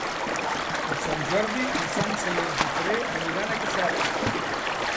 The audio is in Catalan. Per Sant Jordi na Sança i en Guifré aniran a Casserres.